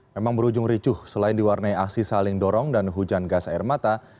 memang berujung ricuh selain diwarnai aksi saling dorong dan hujan gas air mata